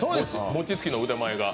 餅つきの腕前が。